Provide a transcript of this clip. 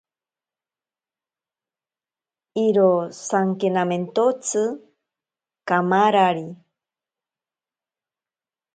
Iro saikamentotsi kamarari.